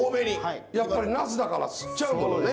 やっぱりナスだから吸っちゃうものね。